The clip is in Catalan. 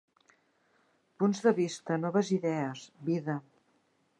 Punts de vista, noves idees, vida.